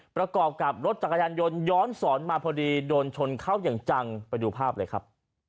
ประกอบกับรถจักรยานยนต์ย้อนสอนมาพอดีโดนชนเข้าอย่างจังไปดูภาพเลยครับ